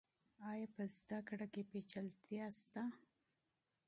آیا په زده کړه کې پیچلتیا شته؟